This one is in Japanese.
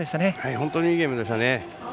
本当にいいゲームでした。